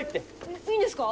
いいんですか？